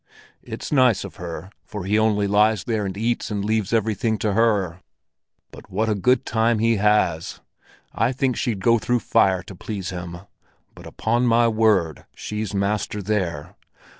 It's nice of her, for he only lies there and eats and leaves everything to her. But what a good time he has! I think she'd go through fire to please him; but upon my word, she's master there.